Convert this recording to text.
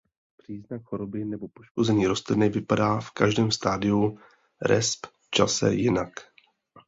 Příznak choroby nebo poškození rostliny vypadá v každém stádiu resp. čase jinak.